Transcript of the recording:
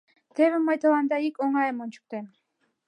Теве мый тыланда ик оҥайым ончыктем.